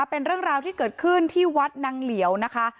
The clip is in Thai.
เป็นเรื่องราวที่เกิดขึ้นที่วัดนางเหลียวนะคะ